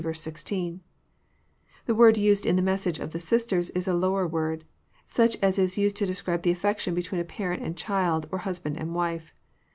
— The word used in the message of the sisters is a lower word, such as Is used to describe the affection between a parent and child, or husband and wife.